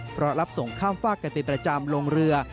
เพราะรับส่งข้ามฝากกันเป็นประจำลงเรือ